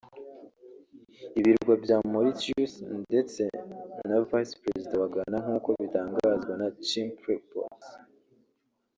ibirwa bya Mauritius ndetse na Vice-Prezida wa Ghana nk’uko bitangazwa na Chimpreports